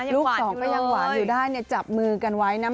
ลูกสองก็ยังหวานอยู่ได้จับมือกันไว้นะ